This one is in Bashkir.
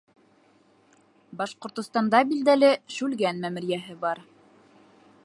Башҡортостанда билдәле Шүлгән мәмерйәһе бар